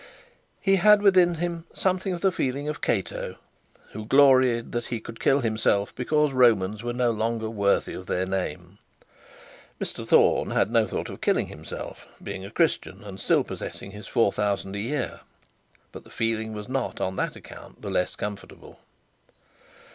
He had within him something of the feeling of Cato, who gloried that he could kill himself because Romans were no longer worthy of their name. Mr Thorne had no thought of killing himself, being a Christian, and still possessing his L 4000 a year; but the feeling was not on that account the less comfortable.